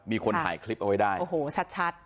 มีคนถ่ายคลิปเอาไว้ได้โอ้โหชัด